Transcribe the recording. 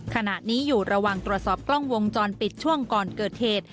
ขณะนี้อยู่ระหว่างตรวจสอบกล้องวงจรปิดช่วงก่อนเกิดเหตุ